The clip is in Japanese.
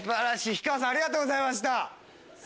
氷川さんありがとうございました。